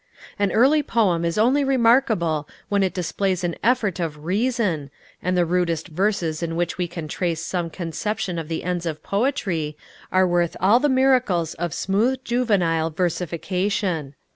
An early poem is only remarkable when it displays an effort of reason, and the rudest verses in which we can trace some conception of the ends of poetry, are worth all the miracles of smooth juvenile versification.